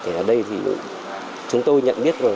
ở đây thì chúng tôi nhận biết những cái hàng